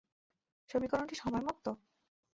সমীকরণটি সময় মুক্ত?